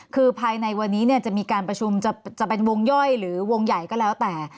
คือภายในวันนี้จะมีการประชุมจะเป็นวงย่อยหรือวงใหญ่ก็แล้วแต่